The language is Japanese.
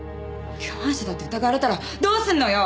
共犯者だって疑われたらどうするのよ！